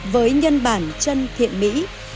với nhân bản chân thiện mỹ